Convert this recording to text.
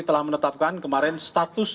telah menetapkan kemarin status